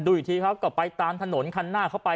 อีกทีเขาก็ไปตามถนนคันหน้าเข้าไป